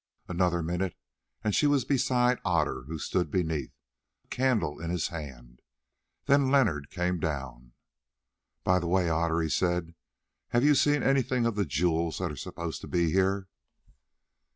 Another minute and she was beside Otter, who stood beneath, a candle in his hand. Then Leonard came down. "By the way, Otter," he said, "have you seen anything of the jewels that are supposed to be here?"